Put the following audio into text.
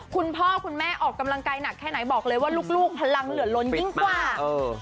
คุณพ่อคุณแม่ออกกำลังกายหนักแค่ไหนบอกเลยว่าลูกพลังเหลือล้นยิ่งกว่าเออ